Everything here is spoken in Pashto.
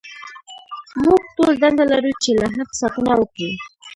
موږ ټول دنده لرو چې له حق ساتنه وکړو.